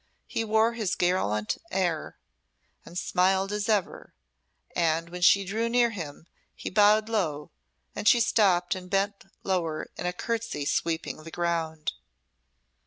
He wore his gallant air, and smiled as ever; and when she drew near him he bowed low, and she stopped, and bent lower in a curtsey sweeping the ground.